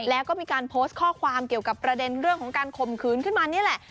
แล้วก็มีการโพสต์ข้อความเกี่ยวกับประเด็นเรื่องของการข่มขืนขึ้นมานี่แหละ